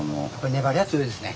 粘りが強いですね。